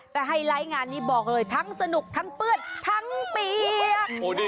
แต่ไฮไลท์งานนี้บอกเลยทั้งสนุกทั้งเปื้อนทั้งเปียก